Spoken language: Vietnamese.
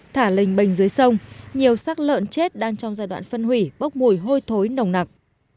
thả lênh bênh dưới sông nhiều sắc lợn chết đang trong giai đoạn phân hủy bốc mùi hôi thối nồng nặng